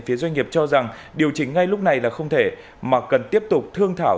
phía doanh nghiệp cho rằng điều chỉnh ngay lúc này là không thể mà cần tiếp tục thương thảo